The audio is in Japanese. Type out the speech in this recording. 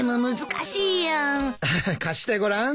貸してごらん。